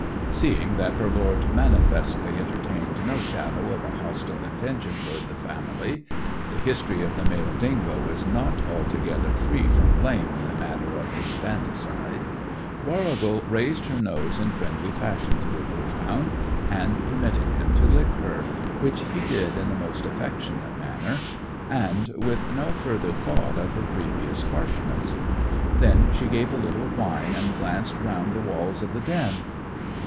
Seeing that her lord manifestly entertained no shadow of a hostile intention toward the family (the history of the male dingo is not altogether free from blame in the matter of infanticide), Warrigal raised her nose in friendly fashion to the Wolfhound and permitted him to lick her, which he did in the most affectionate manner, and with no further thought of her previous harshness. Then she gave a little whine and glanced round the walls of the den.